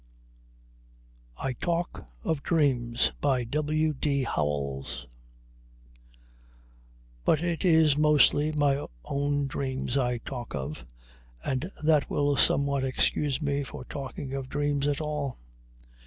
I TALK OF DREAMS W. D. HOWELLS But it is mostly my own dreams I talk of, and that will somewhat excuse me for talking of dreams at all.